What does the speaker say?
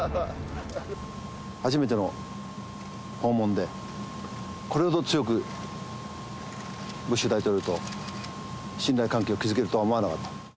初めての訪問で、これほど強くブッシュ大統領と信頼関係を築けるとは思わなかった。